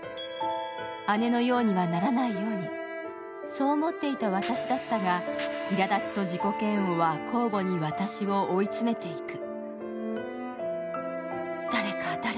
姉のようにはならないように、そう思っていた私だったが、いらだちと自己嫌悪は交互に私を追い詰めていく。